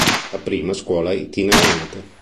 La prima scuola itinerante.